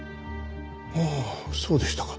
ああそうでしたか。